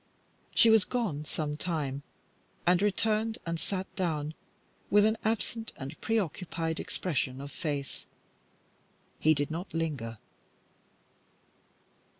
She was gone some time, and returned and sat down with an absent and preoccupied expression of face, and he did not linger.